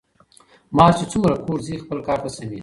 مار چی څومره کوږ ځي خپل کار ته سمیږي .